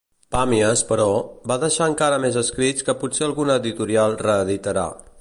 Pàmies, però, va deixar encara més escrits que potser alguna editorial reeditarà.